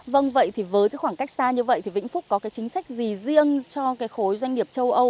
vâng vậy thì với khoảng cách xa như vậy thì vĩnh phúc có chính sách gì riêng cho khối doanh nghiệp châu âu